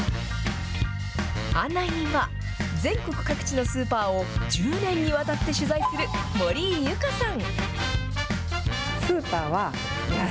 案内人は、全国各地のスーパーを１０年にわたって取材する森井ユカさん。